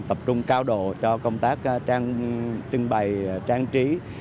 tập trung cao độ cho công tác trưng bày trang trí